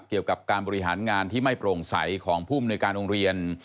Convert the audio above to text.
เกี่ยวกับการบริหารงานที่ไม่โปร่งใสของผู้มนุยการโรงเรียน